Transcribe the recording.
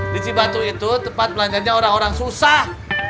di cibatu itu tempat belanja nya orang orang susah